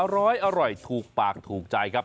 อร่อยถูกปากถูกใจครับ